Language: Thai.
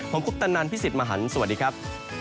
ผมคุปตะนันพี่สิทธิ์มหันฯสวัสดีครับ